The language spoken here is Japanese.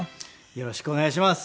よろしくお願いします。